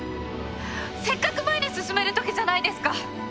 せっかく前に進めるときじゃないですか。